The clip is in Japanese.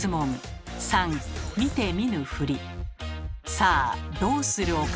さあどうする岡村。